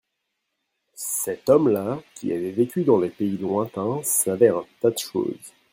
Cet homme-là, qui avait vécu dans les pays lontains, savait un tas de choses.